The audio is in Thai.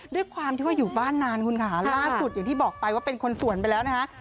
ด้วยความที่ว่าอยู่บ้านนานคุณค่ะล่าสุดอย่างที่บอกไปว่าเป็นคนสวนไปแล้วนะคะ